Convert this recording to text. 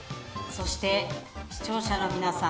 そして、視聴者の皆さん。